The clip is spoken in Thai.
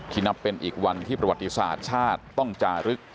นับเป็นอีกวันที่ประวัติศาสตร์ชาติต้องจารึก